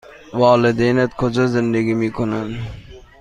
والدینت کجا زندگی می کنند؟